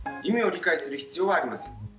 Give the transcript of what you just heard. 意味を理解する必要はありません。